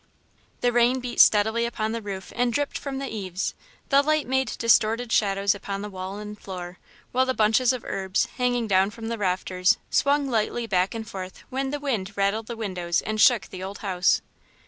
The rain beat steadily upon the roof and dripped from the eaves. The light made distorted shadows upon the wall and floor, while the bunches of herbs, hanging from the rafters, swung lightly back and forth when the wind rattled the windows and shook the old house.